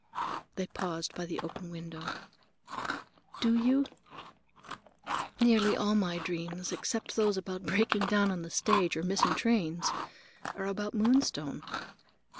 They paused by the open window. "Do you? Nearly all my dreams, except those about breaking down on the stage or missing trains, are about Moonstone.